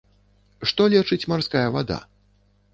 Што лечыць марская вада?